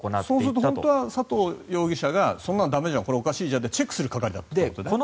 そうすると本当は佐藤容疑者がそんなん駄目じゃんこれ、おかしいじゃんってチェックする係だったんだよね。